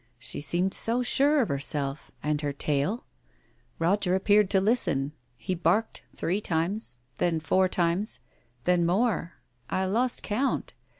She seemed so sure of herself, and her tale. Roger appeared to listen. He barked three times ... then four times ... then more. I lost count.